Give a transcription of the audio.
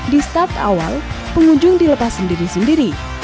di start awal pengunjung dilepas sendiri sendiri